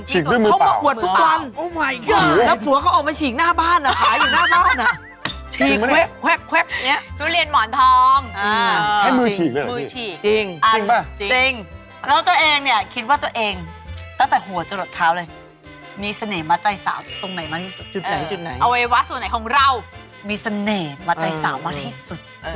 เหลื่อใดหนังน่ายสาวที่สุด